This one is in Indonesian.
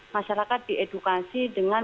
masyarakat diedukasi dengan